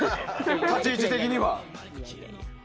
立ち位置的には。